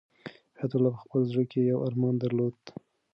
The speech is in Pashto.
حیات الله په خپل زړه کې یو ارمان درلود.